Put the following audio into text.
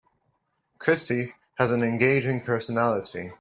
Christy has an engaging personality.